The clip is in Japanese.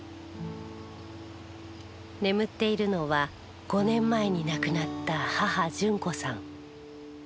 眠っているのは５年前に亡くなった母淳子さん。